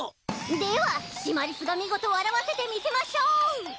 ではシマリスが見事笑わせてみせましょう！